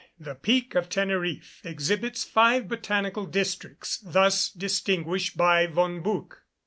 The Peak of Teneriffe exhibits five botanical districts, thus distinguished by Von Buch: 1.